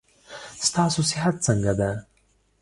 ستاسو صحت څنګه ده.